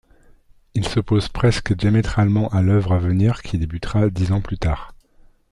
Il s'oppose presque diamétralement à l'œuvre à venir qui débutera dix ans plus tard.